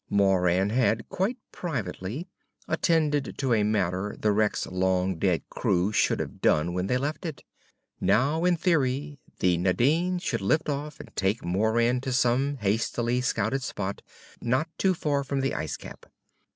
Moran had, quite privately, attended to a matter the wreck's long dead crew should have done when they left it. Now, in theory, the Nadine should lift off and take Moran to some hastily scouted spot not too far from the ice cap.